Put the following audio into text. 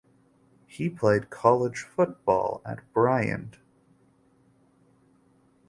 He played college football at Bryant.